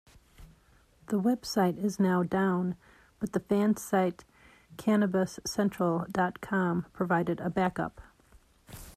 The website is now down, but the fansite Canibus-Central dot com provided a backup.